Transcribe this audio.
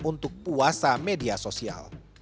untuk puasa media sosial